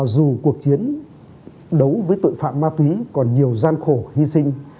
dù cuộc chiến đấu với tội phạm ma túy còn nhiều gian khổ hy sinh